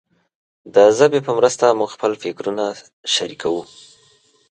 د ژبې په مرسته موږ خپل فکرونه شریکوو.